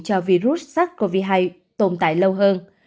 cho virus sars cov hai tồn tại lâu hơn